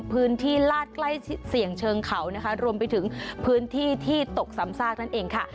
พื้นที่ลาดใกล้เสี่ยงเชิงเขานะคะรวมไปถึงพื้นที่ที่ตกซ้ำซากนั่นเองค่ะ